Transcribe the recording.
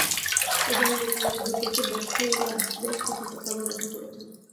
এ জন্য জটিলতা দূর করতে ব্যবসায়ীরা বেশ কিছু প্রস্তাবও দাখিল করেছেন।